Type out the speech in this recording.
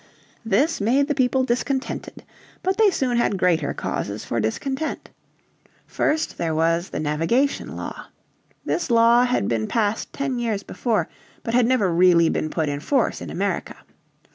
This made the people discontented. But they soon had greater causes for discontent. First there was the Navigation Law. This Law had been passed ten years before, but had never really been put in force in America.